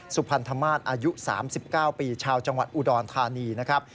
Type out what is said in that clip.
สุพันธมาตรอายุ๓๙ปีชาวจังหวัดอุดรธานีนะครับ